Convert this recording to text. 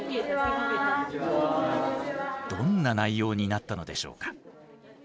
どんな内容になったのでしょうか。